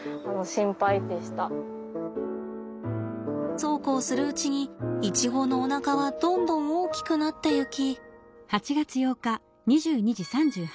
そうこうするうちにイチゴのおなかはどんどん大きくなっていき。